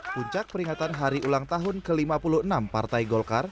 puncak peringatan hari ulang tahun ke lima puluh enam partai golkar